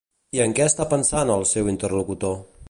I en què està pensant el seu interlocutor?